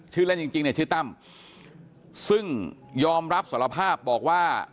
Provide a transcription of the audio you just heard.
ชื่อเล่นจริงจริงชื่อตัมซึ่งยอมรับสรภาพบอกว่า